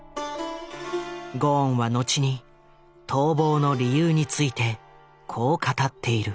ゴーンは後に逃亡の理由についてこう語っている。